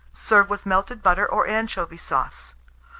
Serve with melted butter or anchovy sauce.